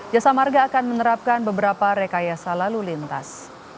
jasa marga akan menerapkan beberapa rekayasa lalu lintas